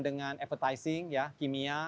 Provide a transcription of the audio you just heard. dengan advertising ya kimia